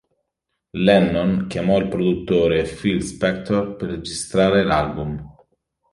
Lennon chiamò il produttore Phil Spector per registrare l'album.